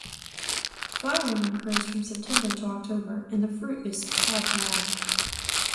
Flowering occurs from September to October and the fruit is pod long.